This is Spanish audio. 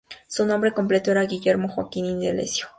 Su nombre completo era Guillermo Joaquín Indalecio.